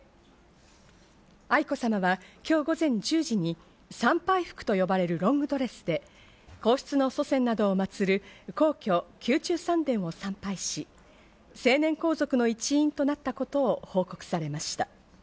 愛子さまは今日午前１０時に参拝服と呼ばれるロングドレスで皇室の祖先などをまつる皇居・宮中三殿を参拝し、成年皇族の一員となったことを報告されました。